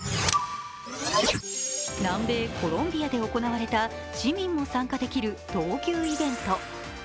南米コロンビアで行われた市民も参加できる闘牛イベント。